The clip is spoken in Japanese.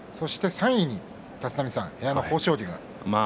３位に立浪さんの部屋の豊昇龍。